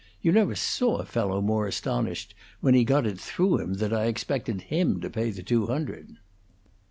You never saw a fellow more astonished when he got it through him that I expected him to pay the two hundred."